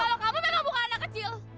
kalau kamu memang bukan anak kecil